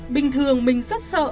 bình thường mình rất sợ